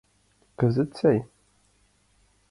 Кызыт сай